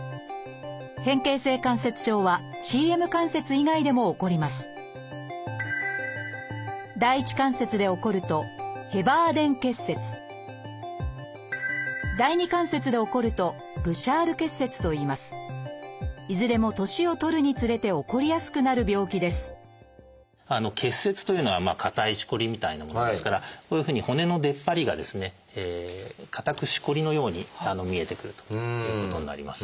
変形性関節症はＣＭ関節以外でも起こりますいずれも年を取るにつれて起こりやすくなる病気です「結節」というのは硬いしこりみたいなものですからこういうふうに骨の出っ張りがですね硬くしこりのように見えてくるということになります。